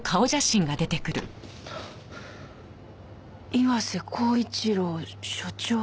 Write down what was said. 「岩瀬厚一郎所長」。